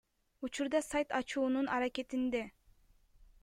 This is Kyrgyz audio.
Учурда сайт ачуунун аракетинде.